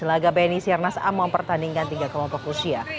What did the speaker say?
laga bni siarnas a mempertandingkan tiga kelompok usia